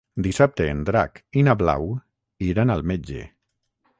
Dissabte en Drac i na Blau iran al metge.